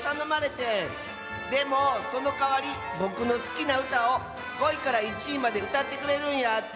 でもそのかわりぼくのすきなうたを５いから１いまでうたってくれるんやて。